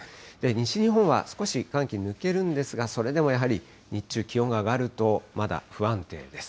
西日本は少し寒気、抜けるんですが、それでもやはり日中、気温が上がると、まだ不安定です。